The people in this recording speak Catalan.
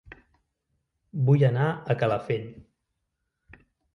Vull anar a Calafell